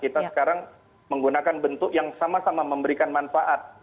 kita sekarang menggunakan bentuk yang sama sama memberikan manfaat